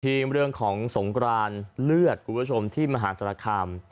เรื่องของสงกรานเลือดคุณผู้ชมที่มหาศาลคาม